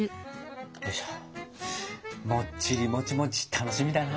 もっちりもちもち楽しみだな！